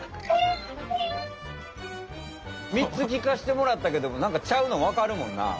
みっつきかしてもらったけどもなんかちゃうのわかるもんな。